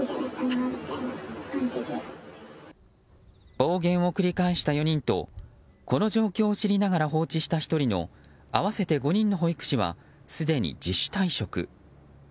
暴言を繰り返した４人とこの状況を知りながら放置した１人の合わせて５人の保育士はすでに自主退職。